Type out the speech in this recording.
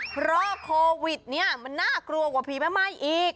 เพราะโควิดเนี่ยมันน่ากลัวกว่าผีแม่ไม้อีก